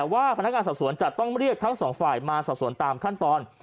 ว่าพนักงานสอบสวนจะต้องเรียกทั้งสองฝ่ายมาสอบสวนตามขั้นตอน